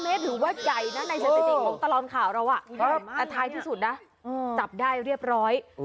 เมตรถือว่าใหญ่นะในสถิติของตลอดข่าวเราแต่ท้ายที่สุดนะจับได้เรียบร้อย